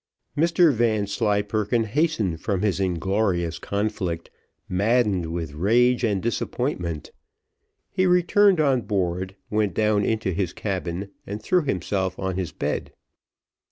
Mr Vanslyperken hastened from his inglorious conflict, maddened with rage and disappointment. He returned on board, went down into his cabin, and threw himself on his bed.